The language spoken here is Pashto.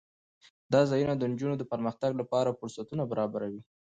دا ځایونه د نجونو د پرمختګ لپاره فرصتونه برابروي.